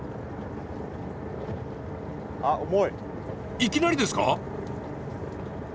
いきなりですか？